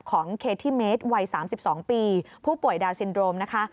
ของเคทิเมตรวัย๓๒ปีผู้ป่วยดาวซินโดมนะคะ